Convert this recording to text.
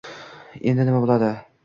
Endi nima boʻladi?